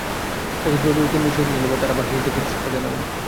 একুশে ফেব্রুয়ারি কেন্দ্রীয় শহীদ মিনারে তাঁরা ভাষা শহীদদের প্রতি শ্রদ্ধা জানাবেন।